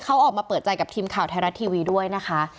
เขาออกมาเปิดใจกับทีมข่าวไทยรัฐทีวีด้วยนะคะ